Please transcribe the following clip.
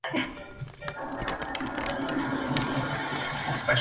Asistió a la École polytechnique y se convirtió en "ingeniero geográfico".